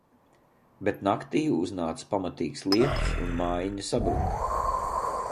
Bet naktī uznāca pamatīgs lietus un mājiņa sabruka.